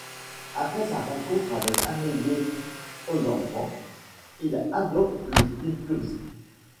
Après sa rencontre avec Amédée Ozenfant, il adopte le style puriste.